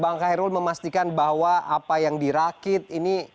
bang kairul memastikan bahwa apa yang dirakit ini